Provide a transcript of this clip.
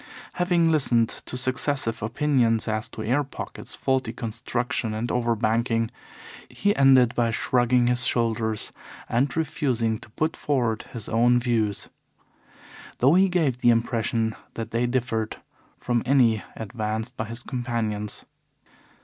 Having listened to successive opinions as to air pockets, faulty construction, and over banking, he ended by shrugging his shoulders and refusing to put forward his own views, though he gave the impression that they differed from any advanced by his companions.